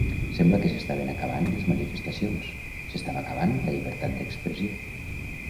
Sembla que s'estaven acabant les manifestacions, s'estava acabant la llibertat d'expressió.